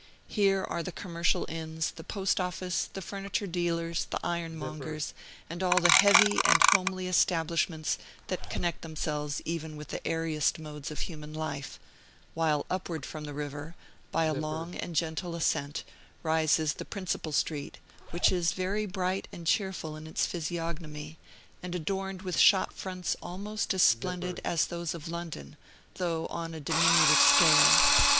Here are the commercial inns, the post office, the furniture dealers, the iron mongers, and all the heavy and homely establishments that connect themselves even with the airiest modes of human life; while upward from the river, by a long and gentle ascent, rises the principal street, which is very bright and cheerful in its physiognomy, and adorned with shop fronts almost as splendid as those of London, though on a diminutive scale.